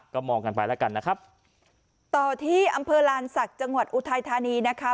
ก็มองกันไปแล้วกันนะครับต่อที่อำเภอลานศักดิ์จังหวัดอุทัยธานีนะคะ